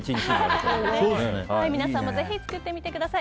ぜひ皆さんも作ってみてください。